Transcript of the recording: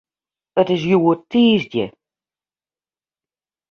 It is hjoed tiisdei.